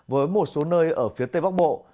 với một số nơi ở phía tây bắc bộ